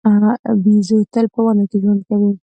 بیزو تل په ونو کې ژوند کوي.